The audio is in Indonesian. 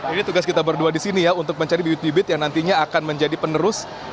ini tugas kita berdua di sini ya untuk mencari bibit bibit yang nantinya akan menjadi penerus